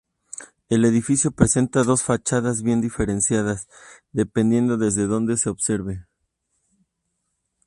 El edificio presenta dos fachadas bien diferenciadas dependiendo desde donde se observe.